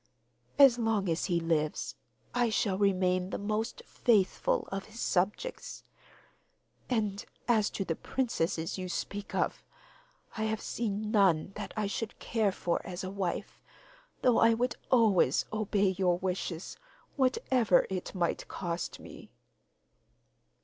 As long as he lives I shall remain the most faithful of his subjects! And as to the princesses you speak of, I have seen none that I should care for as a wife, though I would always obey your wishes, whatever it might cost me.